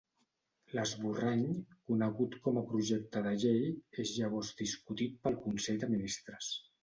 L'esborrany, conegut com a projecte de llei, és llavors discutit pel Consell de Ministres.